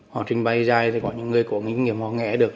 họ trình bày dài thì có những người có kinh nghiệm họ nghe được